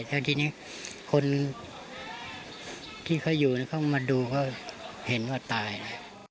แล้วทีนี้คนที่เขาอยู่เขามาดูเขาเห็นว่าตาย